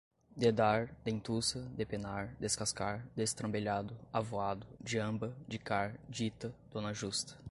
dedar, dentuça, depenar, descascar, destrambelhado, avoado, diamba, dicar, dita, dona justa